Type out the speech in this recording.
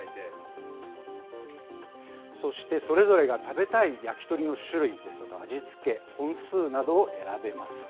そしてそれぞれが食べたい焼き鳥の種類ですとか、味付け、本数などを選べます。